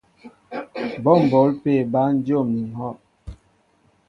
Bɔ́ m̀bǒl pé bǎn dyǒm ni pɔ́.